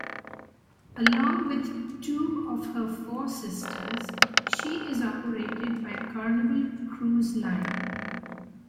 Along with two of her four sisters, she is operated by Carnival Cruise Line.